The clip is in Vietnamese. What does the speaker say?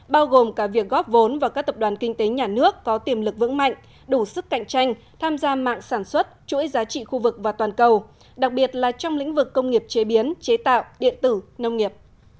bao gồm cả việc góp vốn vào các tập đoàn kinh tế nhà nước có tiềm lực vững mạnh đủ sức cạnh tranh tham gia mạng sản xuất chuỗi giá trị khu vực và toàn cầu đặc biệt là trong lĩnh vực công nghiệp chế biến chế tạo điện tử nông nghiệp